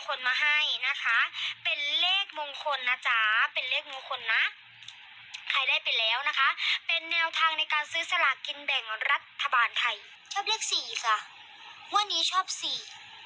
กินแบ่งรัฐบาลไทยชอบเรียกสี่ส่ะวันนี้ชอบสี่